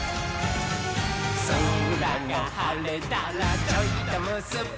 「そらがはれたらちょいとむすび」